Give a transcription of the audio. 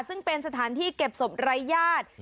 ซึ่งเป็นสถานที่เก็บศพรายญาติ